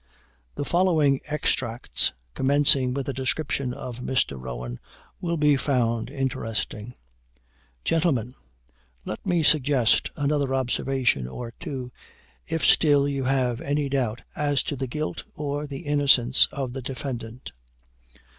The following extracts, commencing with a description of Mr. Rowan, will be found interesting: "Gentlemen, let me suggest another observation or two, if still you have any doubt as to the guilt or the innocence of the defendant.